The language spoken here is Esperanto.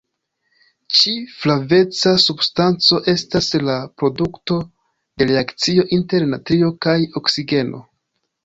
Ĉi-flaveca substanco estas la produkto de reakcio inter natrio kaj oksigeno.